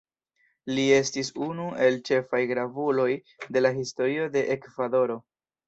Li estis unu el ĉefaj gravuloj de la Historio de Ekvadoro.